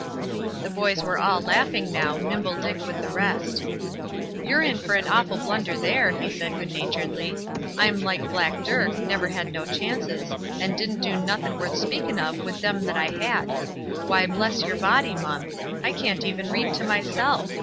The boys were all laughing now, Nimble Dick with the rest. "You're in for an awful blunder there," he said, good naturedly. "I'm like Black Dirk, never had no chances, and didn't do nothin' worth speakin' of with them that I had. Why, bless your body, mum! I can't even read to myself!